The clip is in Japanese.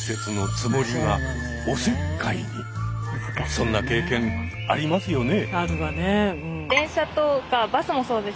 そんな経験ありますよね？